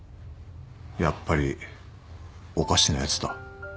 やっぱりおかしなやつだ。